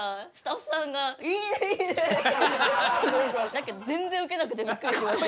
だけど全然ウケなくてびっくりしました。